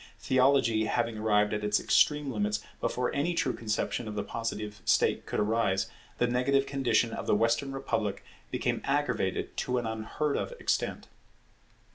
Theology having arrived at its extreme limits before any true conception of the Positive state could arise, the negative condition of the Western Republic became aggravated to an unheard of extent.